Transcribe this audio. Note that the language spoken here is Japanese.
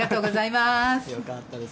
よかったです。